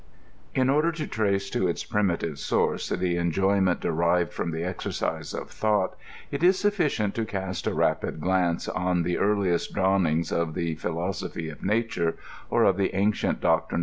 f In order to trace to its primitive source the enjoyment de , rived from the exercise of thought, it is sufficient to cast a rapid glance on the earhest dawnings of the philosophy of na ture, or of the ancient doctrine.